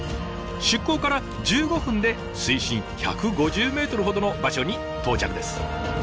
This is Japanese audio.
出港から１５分で水深１５０ｍほどの場所に到着です。